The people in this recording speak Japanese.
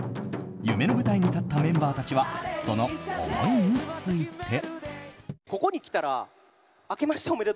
夢の舞台に立ったメンバーたちはその思いについて。